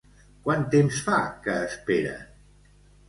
Quant temps fa que esperen?